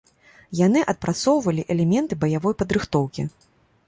Яны адпрацоўвалі элементы баявой падрыхтоўкі.